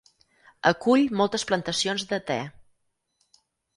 Acull moltes plantacions de te.